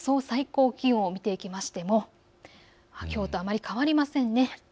最高気温を見ていってもきょうとあまり変わりません。